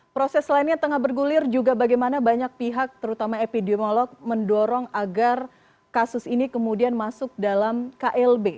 proses lainnya tengah bergulir juga bagaimana banyak pihak terutama epidemiolog mendorong agar kasus ini kemudian masuk dalam klb